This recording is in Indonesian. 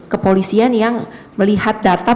kepolisian yang melihat data